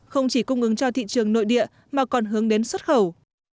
không chỉ cung ứng cho thị trường nội địa mà còn hướng đến xuất khẩu